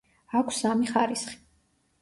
აქვს სამი ხარისხი.